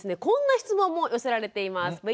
こんな質問も寄せられています。